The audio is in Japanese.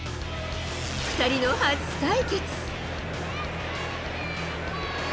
２人の初対決。